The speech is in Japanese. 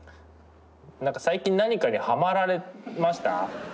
最近何かにハマられました？